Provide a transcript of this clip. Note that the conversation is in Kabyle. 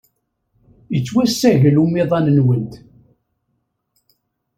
Yettwassagel umiḍan-nwent.